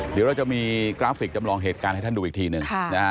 เดี๋ยวเราจะมีกราฟิกจำลองเหตุการณ์ให้ท่านดูอีกทีหนึ่งนะฮะ